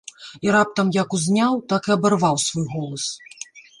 І раптам як узняў, так і абарваў свой голас.